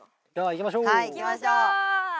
行きましょう！